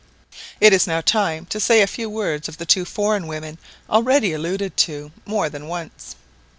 It is now time to say a few words of the two foreign women already alluded to more than once.